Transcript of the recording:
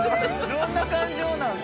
どんな感情なん？